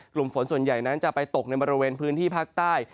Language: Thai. กลุ่มฝนส่วนใหญ่นั้นจะไปตกในบริเวณพื้นที่ภาคใต้